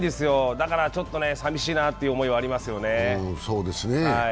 だからちょっとね、寂しいなという思いはありますよね。